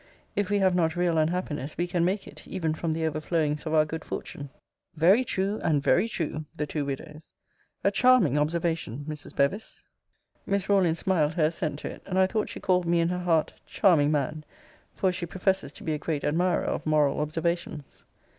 If we have not real unhappiness, we can make it, even from the overflowings of our good fortune. Very true, and very true, the two widows. A charming observation! Mrs. Bevis. Miss Rawlins smiled her assent to it; and I thought she called me in her heart charming man! for she professes to be a great admirer of moral observations.